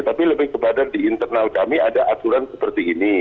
tapi lebih kepada di internal kami ada aturan seperti ini